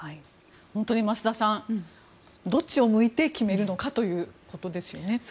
本当に増田さんどっちを向いて決めるのかということですよね。